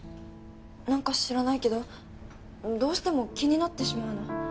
なんか知らないけどどうしても気になってしまうの。